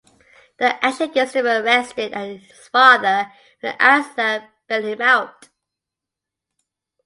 The action gets him arrested and his father and Astha bail him out.